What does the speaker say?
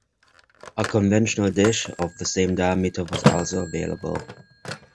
A conventional dish of the same diameter was also available.